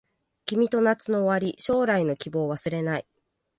君と夏の終わり将来の希望忘れない